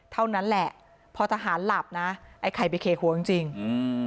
เท่านั้นแหละพอทหารหลับนะไอ้ไข่ไปเขกหัวจริงจริงอืม